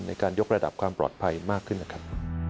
ในการยกระดับความปลอดภัยมากขึ้นนะครับ